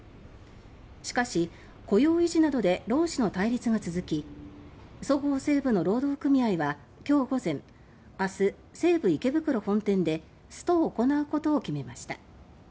しかし雇用維持などで労使の対立が続き「そごう・西武」の労働組合は今日午前明日、西武池袋本店でストライキを行うことを決めました。